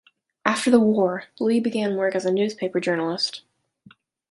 After the War, Lee began work as a newspaper journalist.